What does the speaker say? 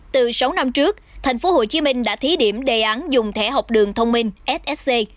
từ sáu năm trước tp hcm đã thí điểm đề án dùng thẻ học đường thông minh ssc